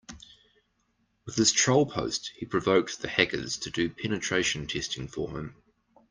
With his troll post he provoked the hackers to do penetration testing for him.